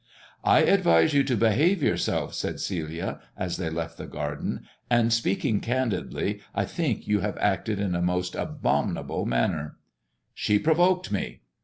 I advised you to behave yourself," said Celia as they :t the garden, " and speaking candidly, I think you have ted in a most abominable manner/' "She provoked me."